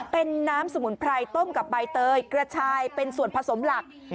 เป็นน้ำสมุนไพรต้มกับใบเตยกระชายเป็นส่วนผสมหลัก